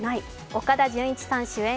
岡田准一さん主演